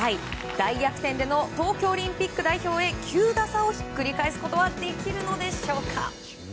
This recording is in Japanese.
大逆転での東京オリンピック代表へ９打差をひっくり返すことはできるのでしょうか。